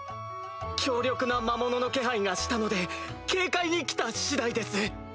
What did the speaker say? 強力な魔物の気配がしたので警戒に来た次第です。